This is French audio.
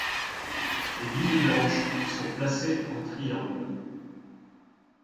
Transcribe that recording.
Les billes blanches sont placées en triangle.